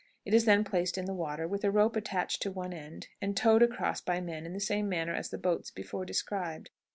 It is then placed in the water with a rope attached to one end, and towed across by men in the same manner as the boats before described.